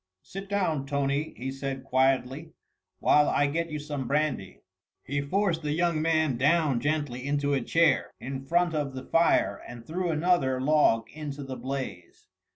"Sit down, Tony," he said quietly, "while I get you some brandy." He forced the young man down gently into a chair in front of the fire and threw another log into the blaze.